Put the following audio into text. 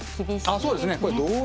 あそうですね。